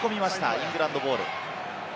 イングランドボール。